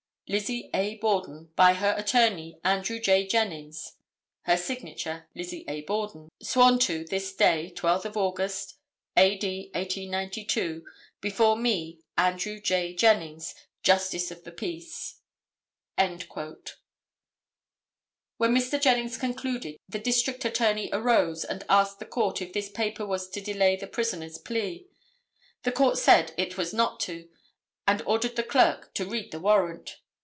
"Lizzie A. Borden, by her attorney, Andrew J. Jennings, (Her signature) Lizzie A. Borden. Sworn to this the 12th day of August, A. D., 1892, before me, Andrew J. Jennings, Justice of the peace." When Mr. Jennings concluded the District Attorney arose and asked the Court if this paper was to delay the prisoner's plea. The Court said it was not to, and ordered the Clerk, to read the warrant.